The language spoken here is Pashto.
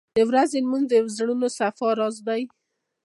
• د ورځې لمونځ د زړونو د صفا راز دی.